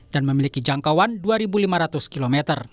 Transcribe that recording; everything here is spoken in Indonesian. dan memiliki jangkauan dua lima ratus km